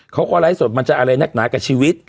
เขาก็ไลฟ์สดมันจะอะไรนักหนากับชีวิต